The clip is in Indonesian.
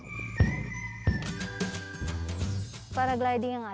skyland tetempangan hill banyak disebut sebagai tempat para layang atau para gliding paling ideal